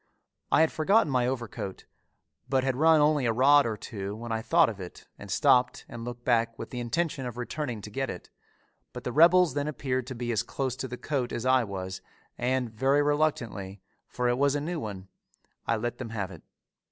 I had forgotten my overcoat, but had run only a rod or two when I thought of it and stopped and looked back with the intention of returning to get it; but the rebels then appeared to be as close to the coat as I was and very reluctantly, for it was a new one, I let them have it.